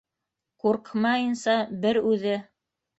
Куркмайынса бер үҙе...